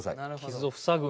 傷を塞ぐ。